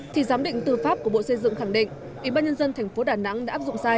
thì giám định tư pháp của bộ xây dựng khẳng định ủy ban nhân dân tp đà nẵng đã áp dụng sai